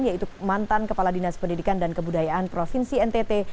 yaitu mantan kepala dinas pendidikan dan kebudayaan provinsi ntt